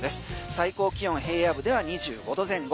最高気温は平野部では２５度前後。